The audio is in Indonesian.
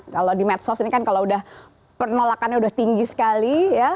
kalau di medsos ini kan kalau penolakannya udah tinggi sekali ya